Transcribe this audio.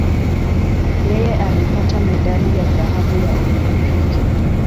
Yeye alipata medali ya dhahabu ya Olimpiki.